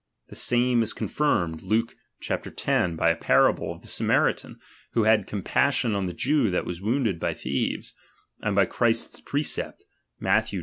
The same is coofirmed, Luke X, by the parable of the Samaritan, who tad compassion on the Jew that was wounded by thieves ; and by Christ's precept (Matth.